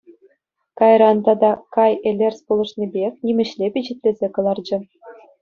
Кайран тата Кай Элерс пулӑшнипех нимӗҫле пичетлесе кӑларчӗ.